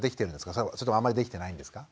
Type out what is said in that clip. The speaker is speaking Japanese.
それともあんまりできてないんですか？